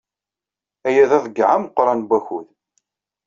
Aya d aḍeyyeɛ ameqran n wakud!